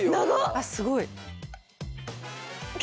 あっすごい。